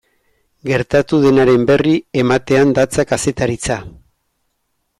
Gertatu denaren berri ematean datza kazetaritza.